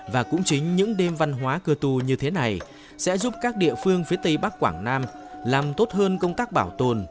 và cũng chính những đêm văn hóa cơ tu như thế này sẽ giúp các địa phương phía tây bắc quảng nam làm tốt hơn công tác bảo tồn